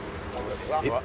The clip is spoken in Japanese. えっ？